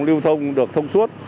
lưu thông được thông suốt